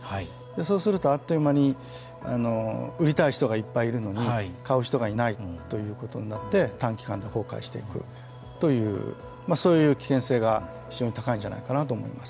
そうすると、あっという間に売りたい人がいっぱいいるのに買う人がいないということになって短期間で崩壊していくというそういう危険性が非常に高いんじゃないかなと思います。